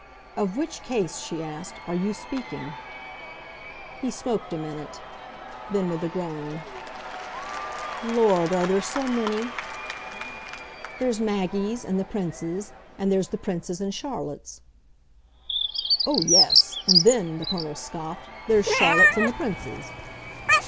"Of which case," she asked, "are you speaking?" He smoked a minute: then with a groan: "Lord, are there so many?" "There's Maggie's and the Prince's, and there's the Prince's and Charlotte's." "Oh yes; and then," the Colonel scoffed, "there's Charlotte's and the Prince's."